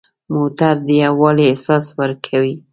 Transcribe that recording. موټر د یووالي احساس ورکوي.